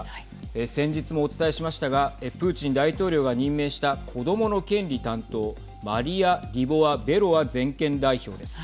先日もお伝えしましたがプーチン大統領が任命した子どもの権利担当マリヤ・リボワベロワ全権代表です。